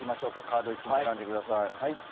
カード１枚選んでください。